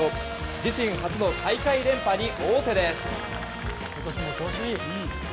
自身初の大会連覇に王手です。